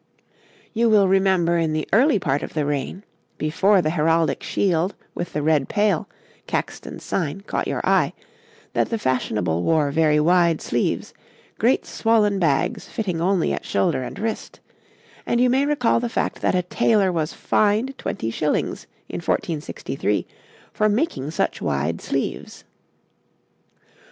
You will remember in the early part of the reign, before the heraldic shield with the red pale, Caxton's sign, caught your eye, that the fashionable wore very wide sleeves, great swollen bags fitting only at shoulder and wrist, and you may recall the fact that a tailor was fined twenty shillings in 1463 for making such wide sleeves.